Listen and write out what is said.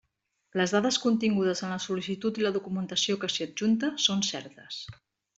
Les dades contingudes en la sol·licitud i la documentació que s'hi adjunta són certes.